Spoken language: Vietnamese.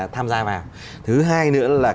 tham gia vào thứ hai nữa là